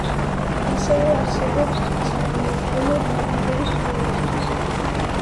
ასევე არსებობს საგამოფენო დარბაზები სტუმრებისთვის.